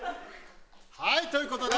はいという事で。